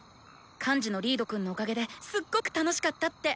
幹事のリードくんのおかげですっごく楽しかったって！